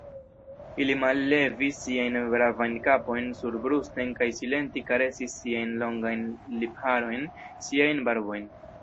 Ili mallevis siajn bravajn kapojn surbrusten kaj silente karesis siajn longajn lipharojn, siajn barbojn.